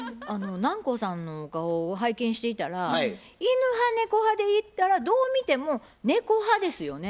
南光さんのお顔を拝見していたら犬派猫派でいったらどう見ても猫派ですよね。